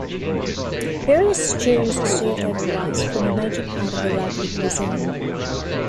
Various stews served over rice form a major part of Iraqi cuisine.